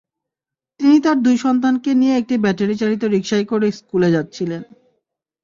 তিনি তাঁর দুই সন্তানকে নিয়ে একটি ব্যাটারিচালিত রিকশায় করে স্কুলে যাচ্ছিলেন।